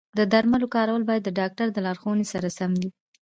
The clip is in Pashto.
د درملو کارول باید د ډاکټر د لارښوونې سره سم وي.